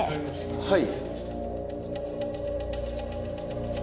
はい。